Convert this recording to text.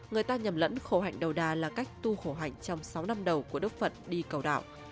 người ta nhầm lẫn khổ hạnh đầu đà là cách tu khổ hạnh trong sáu năm đầu của đốc phật đi cầu đạo